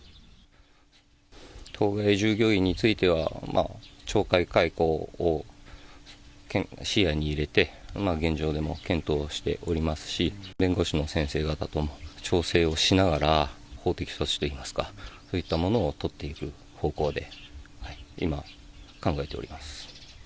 当該従業員については懲戒解雇を視野に入れて、現状でも検討しておりますし、弁護士の先生方とも調整をしながら、法的措置といいますか、そういったものを取っていく方向で今、考えております。